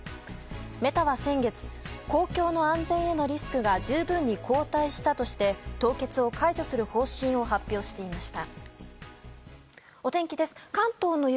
メタは先月公共の安全へのリスクが十分に後退したとして凍結を解除する方針を発表していました。